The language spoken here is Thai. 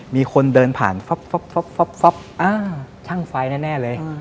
มีคนเดินผ่านฟับช่างไฟแน่เลย